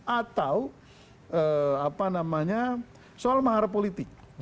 atau apa namanya soal maharapolitik